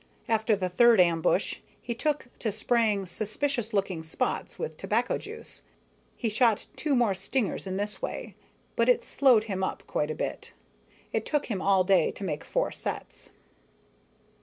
After the third ambush, he took to spraying suspicious looking spots with tobacco juice. He shot two more stingers in this way, but it slowed him up quite a bit. It took him all day to make four sets.